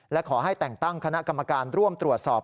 และขอให้แต่งตั้งคณะกรรมการร่วมตรวจสอบ